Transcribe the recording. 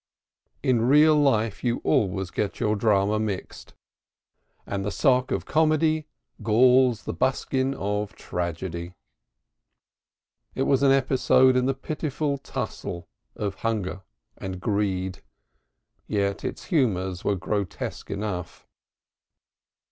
In real life you always get your drama mixed, and the sock of comedy galls the buskin of tragedy. It was an episode in the pitiful tussle of hunger and greed, yet its humors were grotesque enough.